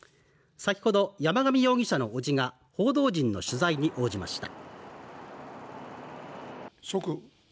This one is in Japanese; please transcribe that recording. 先ほど山上容疑者の伯父が報道陣の取材に応じました